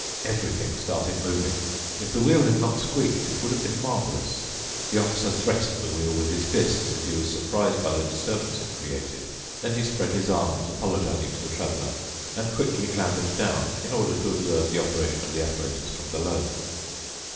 Everything started moving. If the wheel had not squeaked, it would have been marvelous. The officer threatened the wheel with his fist, as if he was surprised by the disturbance it created. Then he spread his arms, apologizing to the traveler, and quickly clambered down, in order to observe the operation of the apparatus from below.